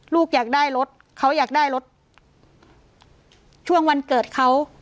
ลูกอยากได้รถเขาอยากได้รถช่วงวันเกิดเขา